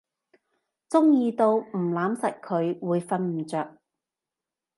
中意到唔攬實佢會瞓唔著